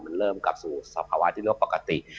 มันเริ่มกับสภาวะที่เรียกว่าปกติ